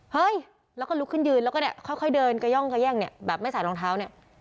เฮ้ยแล้วก็ลุกขึ้นยืนแล้วก็เนี่ยค่อยเดินกระย่องกระแย่งเนี่ยแบบไม่ใส่รองเท้าเนี่ย